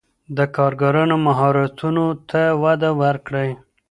د کارګرانو مهارتونو ته وده ورکړئ.